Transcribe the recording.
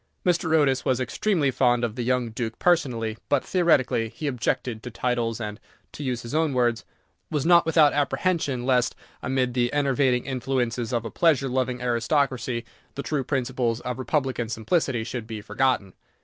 Mr. Otis was extremely fond of the young Duke personally, but, theoretically, he objected to titles, and, to use his own words, "was not without apprehension lest, amid the enervating influences of a pleasure loving aristocracy, the true principles of Republican simplicity should be forgotten."